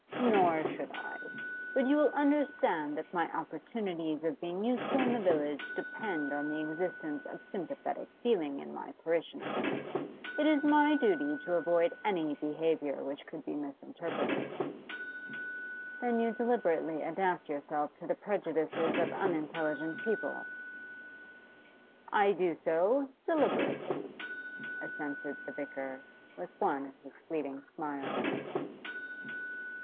'Nor should I. But you will understand that my opportunities of being useful in the village depend on the existence of sympathetic feeling in my parishioners. It is my duty to avoid any behaviour which could be misinterpreted.' 'Then you deliberately adapt yourself to the prejudices of unintelligent people?' 'I do so, deliberately,' assented the vicar, with one of his fleeting smiles.